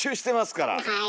はい。